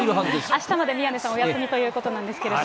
あしたまで宮根さんお休みということなんですけれども。